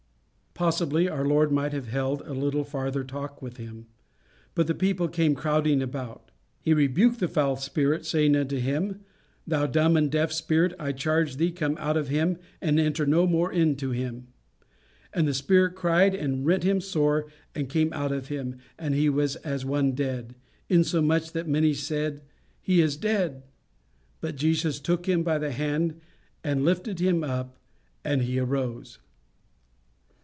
Possibly our Lord might have held a little farther talk with him, but the people came crowding about. "He rebuked the foul spirit, saying unto him, Thou dumb and deaf spirit, I charge thee, come out of him, and enter no more into him. And the spirit cried and rent him sore, and came out of him: and he was as one dead; insomuch that many said, He is dead. But Jesus took him by the hand, and lifted him up; and he arose."